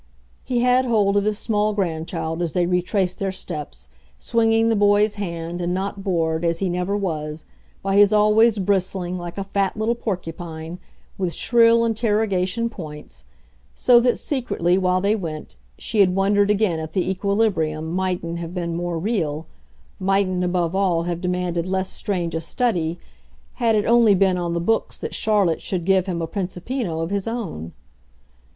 He had hold of his small grandchild as they retraced their steps, swinging the boy's hand and not bored, as he never was, by his always bristling, like a fat little porcupine, with shrill interrogation points so that, secretly, while they went, she had wondered again if the equilibrium mightn't have been more real, mightn't above all have demanded less strange a study, had it only been on the books that Charlotte should give him a Principino of his own.